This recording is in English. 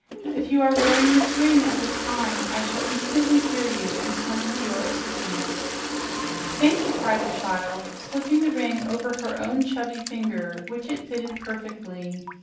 If you are wearing the ring at the time, I shall instantly hear you and come to your assistance." "Thank you!" cried the child, slipping the ring over her own chubby finger, which it fitted perfectly.